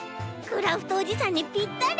クラフトおじさんにぴったり！